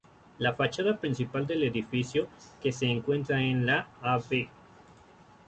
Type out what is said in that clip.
La fachada principal del edificio, que se encuentra en la Av.